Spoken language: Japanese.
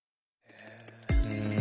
うん。